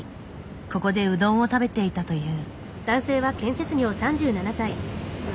ここでうどんを食べていたという。